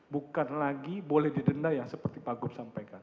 bukan lagi boleh didenda ya seperti pak gubernur sampaikan